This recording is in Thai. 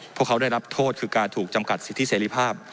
พวกเขาได้รับโทษคือการถูกจำกัดสิทธิเสรีภาพ